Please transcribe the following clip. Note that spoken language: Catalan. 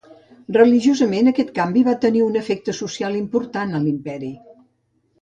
Religiosament aquest canvi va tenir un efecte social important a l'imperi.